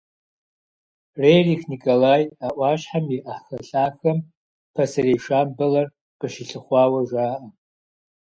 Рерих Николай а Ӏуащхьэм и Ӏэхэлъахэм пасэрей Шамбалэр къыщилъыхъуауэ жаӀэ.